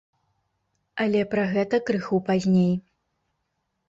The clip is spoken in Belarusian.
Але пра гэта крыху пазней.